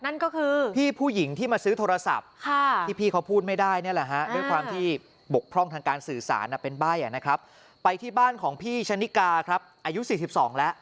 นั่นก็คือพี่ผู้หญิงที่มาซื้อโทรศัพท์ที่พี่เขาพูดไม่ได้นี่แหละฮะด้วยความที่บกพร่องทางการสื่อสารเป็นใบ้นะครับไปที่บ้านของพี่ชะนิกาครับอายุ๔๒แล้ว